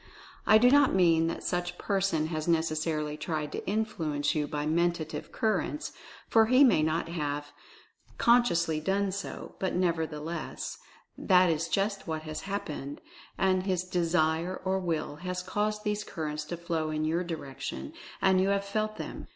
I do not mean that such person has necessarily tried to influence you by Mentative Currents, for he may not have con 250 Mental Fascination sciously done so, but nevertheless that is just what has happened, and his Desire or Will has caused these Currents to flow in your direction, and you have felt them.